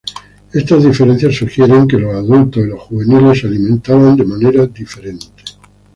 Estas diferencias sugieren que los adultos y los juveniles se alimentaban de manera diferente.